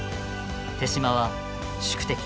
手嶋は宿敵